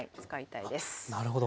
なるほど。